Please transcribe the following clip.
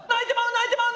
泣いてまう！